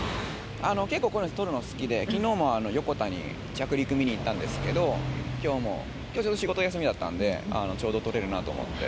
結構、こういうの撮るの好きで、きのうも、横田に着陸見に行ったんですけれども、きょうも、ちょうど仕事休みだったんで、ちょうど撮れるなと思って。